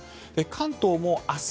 関東も明日